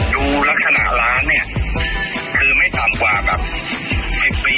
ดูลักษณะร้านเนี่ยคือไม่ต่ำกว่าแบบ๑๐ปี